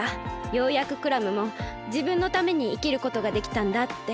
ようやくクラムもじぶんのためにいきることができたんだって。